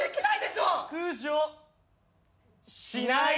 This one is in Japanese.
しない。